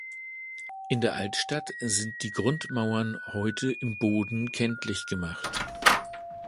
In der Altstadt sind die Grundmauern heute im Boden kenntlich gemacht.